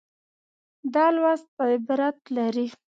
دا لوست عبرت لري.